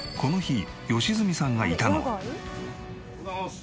この日おはようございます。